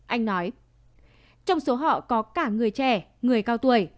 anh nói trong số họ có cả người trẻ người cao tuổi